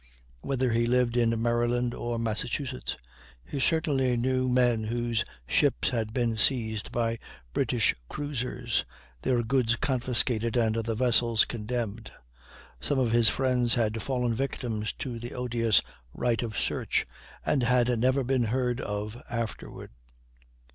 Whether he lived in Maryland or Massachusetts, he certainly knew men whose ships had been seized by British cruisers, their goods confiscated, and the vessels condemned. Some of his friends had fallen victims to the odious right of search, and had never been heard of afterward.